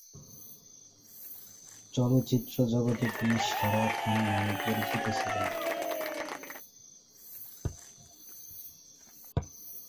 চলচ্চিত্র জগতে তিনি সারা খান নামে পরিচিত ছিলেন।